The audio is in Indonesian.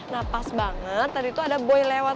nah pas banget tadi tuh ada boy lewat